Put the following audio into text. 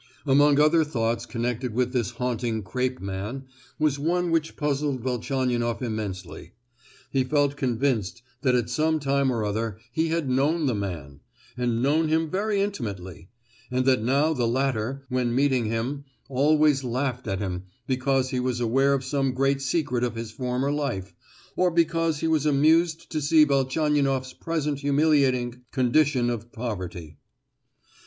Among other thoughts connected with this haunting crape man was one which puzzled Velchaninoff immensely; he felt convinced that at some time or other he had known the man, and known him very intimately; and that now the latter, when meeting him, always laughed at him because he was aware of some great secret of his former life, or because he was amused to see Velchaninoff's present humiliating condition of poverty.